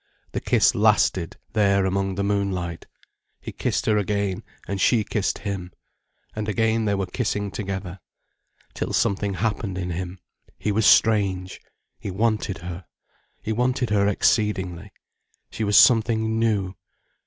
The kiss lasted, there among the moonlight. He kissed her again, and she kissed him. And again they were kissing together. Till something happened in him, he was strange. He wanted her. He wanted her exceedingly. She was something new.